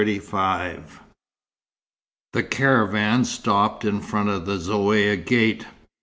XXXV The caravan stopped in front of the Zaouïa gate.